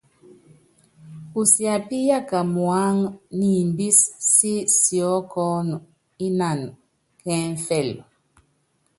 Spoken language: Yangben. Usiapíyaka muáŋu niimbɛs sí siɔ́kɔnɔ ínanu kɛŋfɛlu.